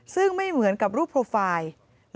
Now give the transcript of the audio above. ซึ่งไม่เหมือนกับรูปโปรไฟล์